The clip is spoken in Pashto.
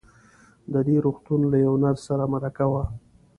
د دې روغتون له يوه نرس سره مرکه وه.